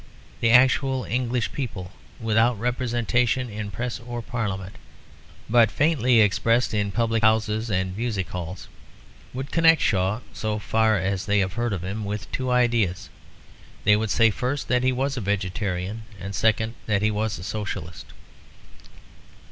The actual English people, without representation in Press or Parliament, but faintly expressed in public houses and music halls, would connect Shaw (so far as they have heard of him) with two ideas; they would say first that he was a vegetarian, and second that he was a Socialist.